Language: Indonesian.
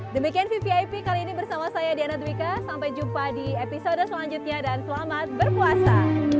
demikian vvip kali ini bersama saya diana dwiqa sampai jumpa di episode selanjutnya dan selamat berpuasa